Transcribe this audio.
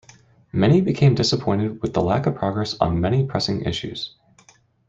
Many became disappointed with the lack of progress on many pressing issues.